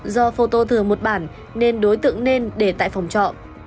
do phô tô thừa một bản nên đối tượng nên để tại phòng trọ